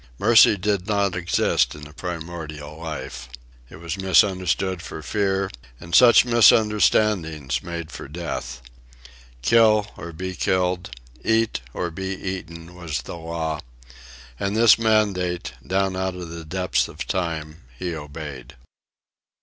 Mercy did not exist in the primordial life. It was misunderstood for fear, and such misunderstandings made for death. Kill or be killed, eat or be eaten, was the law; and this mandate, down out of the depths of Time, he obeyed.